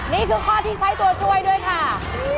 นี่คือข้อที่ใช้ตัวช่วยด้วยค่ะ